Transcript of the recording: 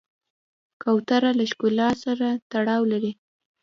کوتره له ښکلا سره تړاو لري.